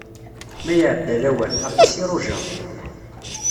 Ma iɛedda lawan, aṭas i rujaɣ.